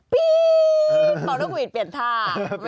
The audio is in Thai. ปี๊บบ่าลุกวิทย์เปลี่ยนท่า